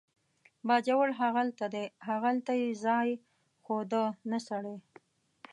باجوړ هغلته دی، هغلته یې ځای ښوده، نه سړی.